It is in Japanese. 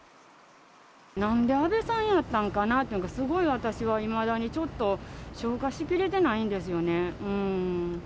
なんで安倍さんやったんかなというのが、すごい私は、いまだにちょっと消化しきれてないんですよね。